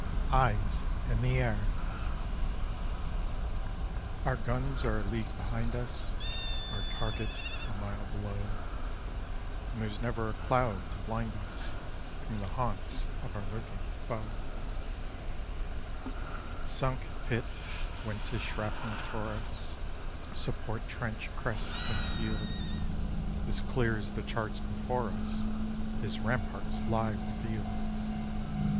EYES IN THE AIR Our guns are a league behind us, our target a mile below, And there's never a cloud to blind us from the haunts of our lurking foe Sunk pit whence his shrapnel tore us, support trench crest concealed, As clear as the charts before us, his ramparts lie revealed.